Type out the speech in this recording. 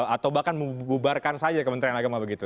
atau bahkan mengubarkan saja ke menteri agama begitu